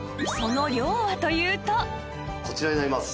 こちらになります。